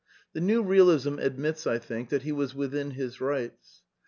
The New Bealism admits, I think, that he was within his rights.